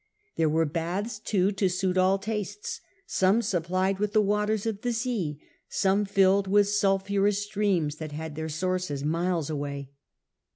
There were baths too to suit all tastes, some supplied from the waters of the sea, and some filled with sulphurous streams that had their sources miles away.